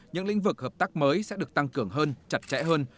những lĩnh vực hợp tác mới sẽ được tăng cường hơn chặt chẽ hơn